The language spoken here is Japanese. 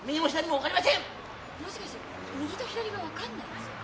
もしかして右と左が分かんないんですか？